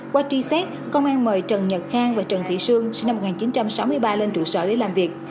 qua truy xét công an mời trần nhật khang và trần thị sương sinh năm một nghìn chín trăm sáu mươi ba lên trụ sở để làm việc